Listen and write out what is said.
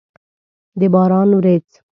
د باران ورېځ!